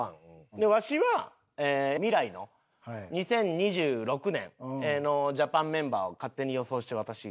でわしは未来の２０２６年のジャパンメンバーを勝手に予想して私が作ります。